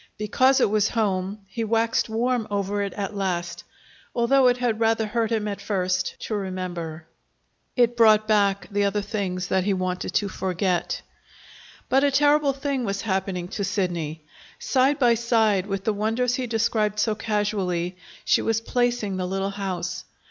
Because it was home, he waxed warm over it at last, although it had rather hurt him at first to remember. It brought back the other things that he wanted to forget. But a terrible thing was happening to Sidney. Side by side with the wonders he described so casually, she was placing the little house.